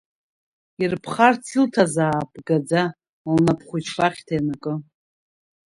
Ирԥхарц илҭазаап гаӡа, лнап хәыҷқәа ахьҭа ианакы.